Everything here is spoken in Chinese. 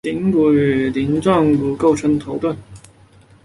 顶骨与鳞状骨构成头盾。